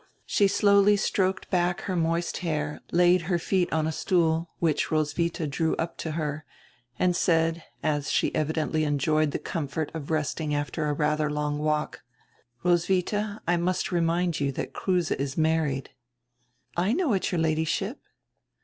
She slowly stroked back her moist hair, laid her feet on a stool, which Roswitha drew up to her, and said, as she evidently enjoyed the comfort of resting after a rather long walk: "Roswitha, I must remind you that Kruse is married." "I know it, your Ladyship."